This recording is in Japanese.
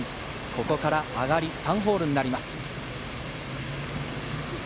ここから上がり３ホールになります。